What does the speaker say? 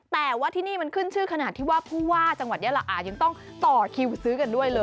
แต่ว่าที่นี่มันขึ้นชื่อขนาดที่ว่าผู้ว่าจังหวัดยาลายังต้องต่อคิวซื้อกันด้วยเลย